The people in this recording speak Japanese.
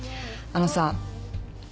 あのさ。